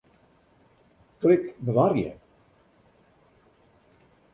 Klik Bewarje.